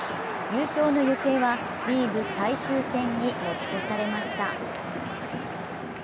優勝の行方はリーグ最終戦に持ち越されました。